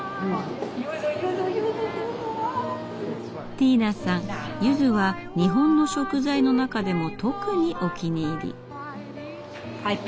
ティーナさんゆずは日本の食材の中でも特にお気に入り。